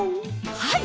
はい！